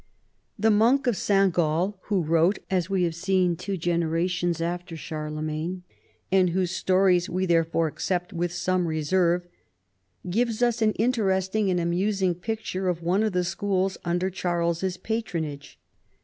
The Monk of St, Gall (who wrote, as we have seen, two generations after Charlemagne, and whose stories we therefore accept with some reserve) gives us an interesting and amusing picture of one of the schools under Charles's patronage.